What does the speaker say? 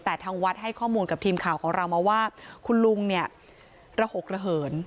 แต่ทางวัดให้ข้อมูลกับทีมข่าวของเรามาว่าคุณลุงเนี่ยระหกระเหิน